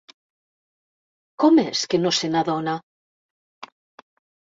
Com és que no se n'adona?